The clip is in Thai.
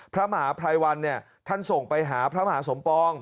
พระมหาพรายวัลท่านส่งไปหาพระมหาสมปอง